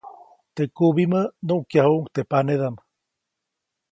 Teʼ kubimä nukyajuʼuŋ teʼ panedaʼm.